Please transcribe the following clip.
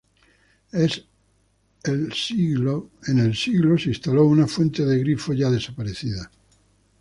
El el siglo se instaló una fuente de grifo ya desaparecida.